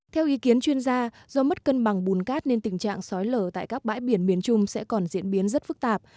theo ý kiến chuyên gia do mất cân bằng bùn cát nên tình trạng sói lở tại các bãi biển miền trung sẽ còn diễn biến rất phức tạp